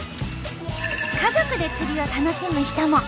家族で釣りを楽しむ人も。